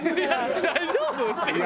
大丈夫？っていう。